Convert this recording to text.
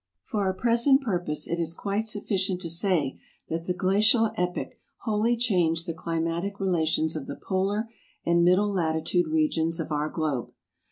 For our present purpose it is quite sufficient to say that the Glacial Epoch wholly changed the climatic relations of the polar and middle latitude regions of our globe.